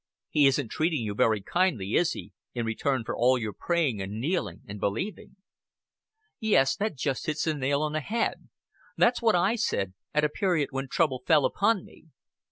He isn't treating you very kindly, is He, in return for all your praying and kneeling and believing?'" "Yes, that just hits the nail on the head. It was what I said at a period when trouble fell upon me.